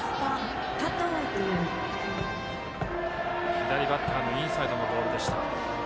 左バッターのインサイドのボールでした。